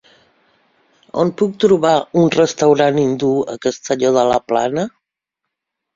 On puc trobar un restaurant hindú a Castelló de la Plana?